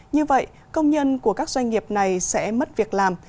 như vậy công nhân của các doanh nghiệp này sẽ mất việc làm